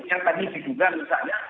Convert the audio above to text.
yang tadi dihitungkan misalnya